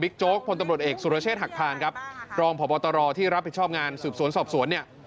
ครับรองผอบอตรที่รับผิดชอบงานสูบสวนสอบสวนเนี่ย